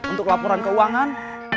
untuk laporan keuangan